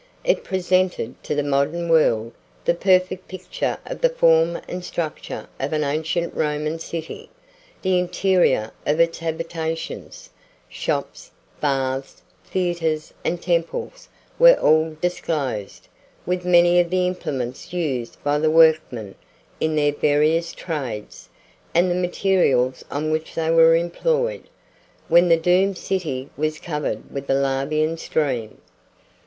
It presented, to the modern world, the perfect picture of the form and structure of an ancient Roman city. The interior of its habitations, shops, baths, theatres, and temples, were all disclosed, with many of the implements used by the workmen in their various trades, and the materials on which they were employed, when the doomed city was covered with the lavian stream.